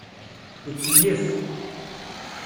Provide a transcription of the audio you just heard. Ikeyyef.